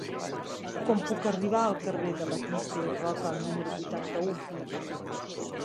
Com puc arribar al carrer de Batista i Roca número vuitanta-u?